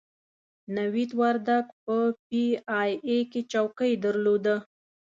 نوید وردګ په پي ای اې کې چوکۍ درلوده.